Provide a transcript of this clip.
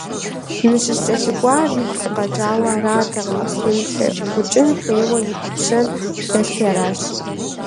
НыщӀыскӀэлъыкӀуар игу сыкъэкӀауэ аратэкъым, стемыплъэкъукӀын хуейуэ и пщэ дэлъти аращ.